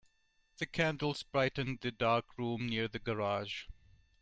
The candles brightened the dark room near to the garage.